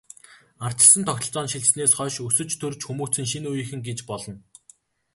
Ардчилсан тогтолцоонд шилжсэнээс хойш өсөж, төрж хүмүүжсэн шинэ үеийнхэн гэж болно.